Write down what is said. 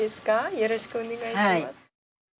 よろしくお願いします。